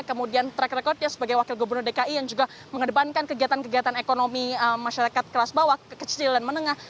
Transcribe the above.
kemudian track recordnya sebagai wakil gubernur dki yang juga mengedepankan kegiatan kegiatan ekonomi masyarakat kelas bawah kecil dan menengah